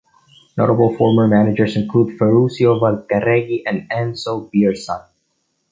Notable former managers include Ferruccio Valcareggi and Enzo Bearzot.